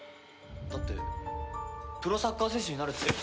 だってプロサッカー選手になるって。